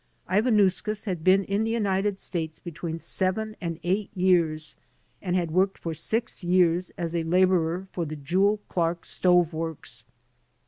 Ivanauskas had been in the United States between seven and eight years and had worked for six years as a laborer for the Jewell Clark Stove Works.